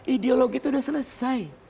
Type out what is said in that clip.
ideologi itu sudah selesai